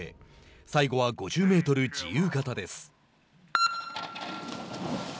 最後は５０メートル自由形です。